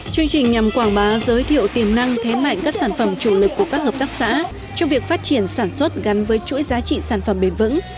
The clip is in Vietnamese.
chương trình nhằm quảng bá giới thiệu tiềm năng thế mạnh các sản phẩm chủ lực của các hợp tác xã trong việc phát triển sản xuất gắn với chuỗi giá trị sản phẩm bền vững